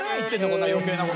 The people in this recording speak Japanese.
こんな余計な事」